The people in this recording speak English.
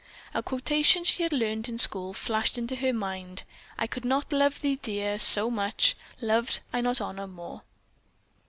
A quotation she had learned in school flashed into her mind "I could not love thee, dear, so much, loved I not honor more."